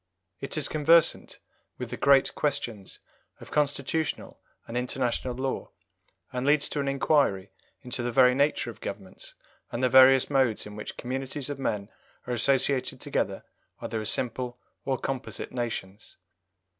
It is conversant with the great questions of constitutional and international law, and leads to an inquiry into the very nature of governments and the various modes in which communities of men are associated together either as simple or composite nations.